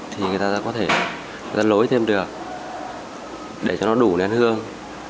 thì người ta có thể ra lối thêm được để cho nó đủ nén hương